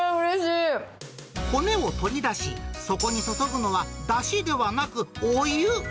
骨を取り出し、そこに注ぐのは、だしではなく、お湯。